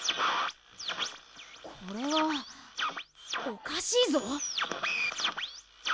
これはおかしいぞ。